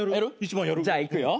じゃあいくよ。